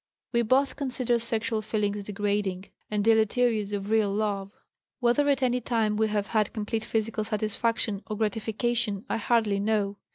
We both consider sexual feelings degrading and deleterious to real love. Whether at any time we have had complete physical satisfaction or gratification, I hardly know.